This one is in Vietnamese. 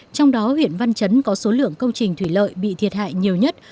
trong đó huyện văn chấn có số lượng công trình thủy lợi bị thiệt hại nhiều nhất